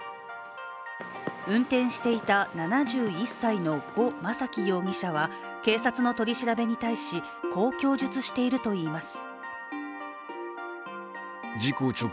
運転していた７１歳の呉昌樹容疑者は警察の取り調べに対しこう供述しているといいます。